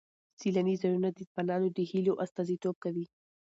سیلاني ځایونه د ځوانانو د هیلو استازیتوب کوي.